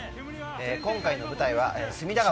今回の舞台は隅田川。